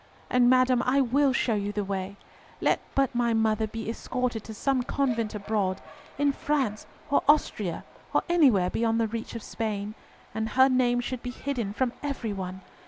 And, madam, I will show you the way. Let but my mother be escorted to some convent abroad, in France or Austria, or anywhere beyond the reach of Spain, and her name should be hidden from everyone!